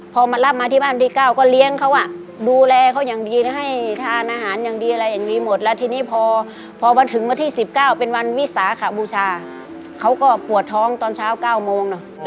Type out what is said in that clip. พอมารับมาที่บ้านที่เก้าก็เลี้ยงเขาดูแลเขาอย่างดีนะให้ทานอาหารอย่างดีอะไรอย่างนี้หมดแล้วทีนี้พอมาถึงวันที่๑๙เป็นวันวิสาขบูชาเขาก็ปวดท้องตอนเช้า๙โมงเนอะ